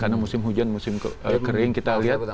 karena musim hujan musim kering kita lihat